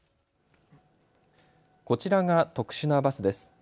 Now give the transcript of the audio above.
こちらが特殊なバスです。